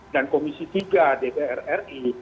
dan komisi tiga dpr ri